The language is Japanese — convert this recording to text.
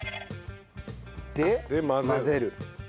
で混ぜる。